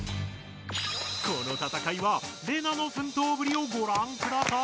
この戦いはレナのふんとうぶりをごらんください。